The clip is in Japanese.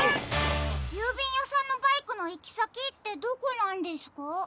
ゆうびんやさんのバイクのいきさきってどこなんですか？